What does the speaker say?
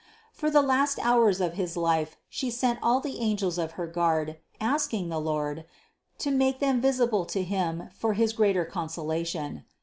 For the last hours of his life She sent all the angels of her guard asking the Lord, to make them visible to him for his greater consolation.